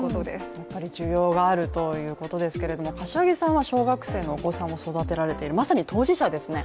やっぱり需要があるということですけど柏木さんは小学生のお子さんを育てられてまさに当事者ですね。